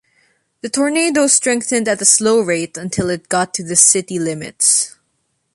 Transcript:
The tornado strengthened at a slow rate until it got to the city limits.